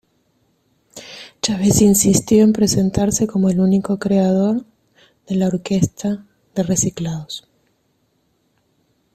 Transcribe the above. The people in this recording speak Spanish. Chávez insistió en presentarse como el único creador de la orquesta de reciclados.